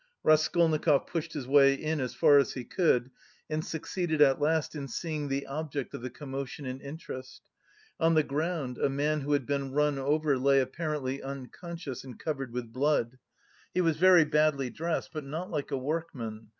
Raskolnikov pushed his way in as far as he could, and succeeded at last in seeing the object of the commotion and interest. On the ground a man who had been run over lay apparently unconscious, and covered with blood; he was very badly dressed, but not like a workman.